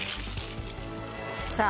さあ。